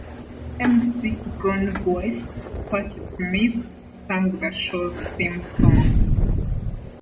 McEnroe's wife, Patty Smyth, sang the show's theme song.